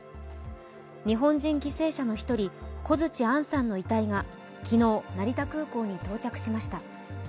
日本人犠牲者の１人、小槌杏さんの遺体が昨日、成田空港に到着しました。